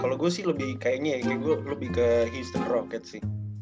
kalau gue sih lebih kayaknya lebih ke eastern rocket sih